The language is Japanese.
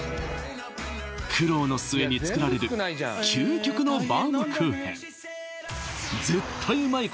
苦労の末に作られる究極のバウムクーヘン絶対うまい